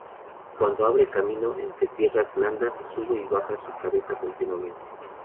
Cuando abre camino entre tierras blandas, sube y baja su cabeza continuamente.